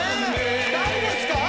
誰ですか？